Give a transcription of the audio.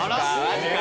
マジか。